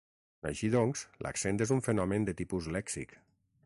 Així doncs, l'accent és un fenomen de tipus lèxic.